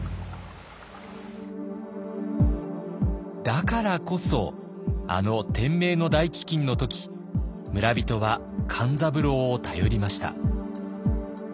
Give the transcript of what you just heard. だからこそあの天明の大飢饉の時村人は勘三郎を頼りました。